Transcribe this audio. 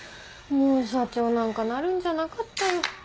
もう社長なんかなるんじゃなかったよ。